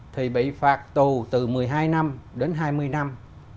thì bị phạt tù từ một mươi hai năm đến hai mươi năm